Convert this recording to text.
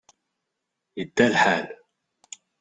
Yedda lḥal.